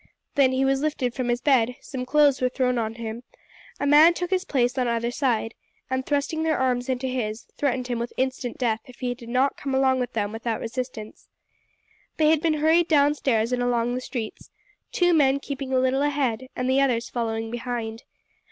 Then he was lifted from his bed, some clothes were thrown on to him, a man took his place on either side, and, thrusting their arms into his, threatened him with instant death if he did not come along with them without resistance. Then he had been hurried down stairs and along the streets, two men keeping a little ahead and others following behind.